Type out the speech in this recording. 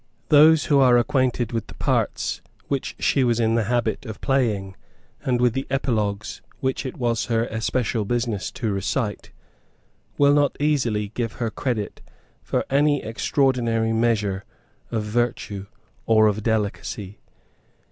Those who are acquainted with the parts which she was in the habit of playing, and with the epilogues which it was her especial business to recite, will not easily give her credit for any extraordinary measure of virtue or of delicacy.